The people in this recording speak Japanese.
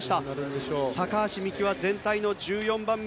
高橋美紀は全体の１４番目。